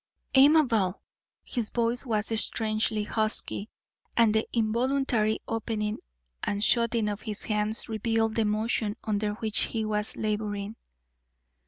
"Amabel!" His voice was strangely husky, and the involuntary opening and shutting of his hands revealed the emotion under which he was labouring.